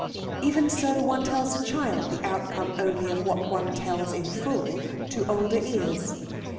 Even so one tells a child the outcome only of what one tells in full to older ears.